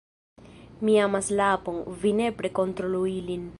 Mi amas la apon, vi nepre kontrolu ilin